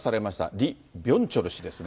リ・ビョンチョル氏ですが。